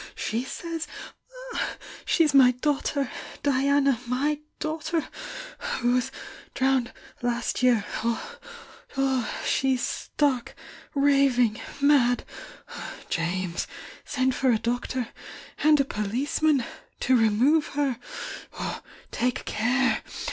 She says she 8 my daughter Diana^my daujthter who was l^owned last year! She's stark, ra . ^mad! James, send for a doctor and a policeman vo remove her'— take care!